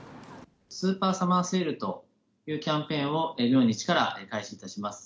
スーパーサマーセールというキャンペーンを、明日から開始いたします。